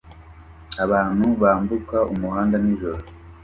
Abantu bambuka umuhanda nijoro